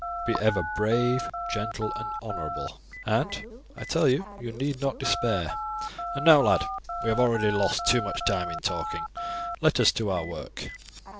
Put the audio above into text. Be ever brave, gentle, and honourable, and, I tell you, you need not despair; and now, lad, we have already lost too much time in talking; let us to our work."